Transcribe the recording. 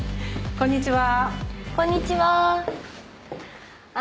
こんにちは。